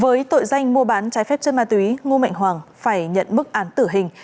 với tội danh mua bán trái phép chân ma túy ngu mệnh hoàng phải nhận mức án tử hình